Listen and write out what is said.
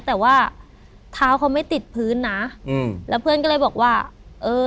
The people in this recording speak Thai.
แต่ว่าเท้าเขาไม่ติดพื้นนะอืมแล้วเพื่อนก็เลยบอกว่าเออ